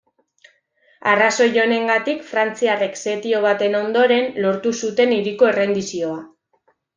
Arrazoi honengatik frantziarrek setio baten ondoren, lortu zuten hiriko errendizioa.